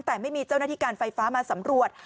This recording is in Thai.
แต่ไม่มีเจ้าหน้าที่การไฟฟ้ามาสำรวจ